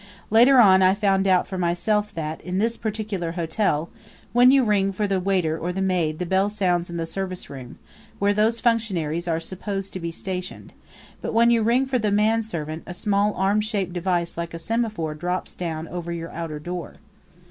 Later on I found out for myself that, in this particular hotel, when you ring for the waiter or the maid the bell sounds in the service room, where those functionaries are supposed to be stationed; but when you ring for the manservant a small arm shaped device like a semaphore drops down over your outer door.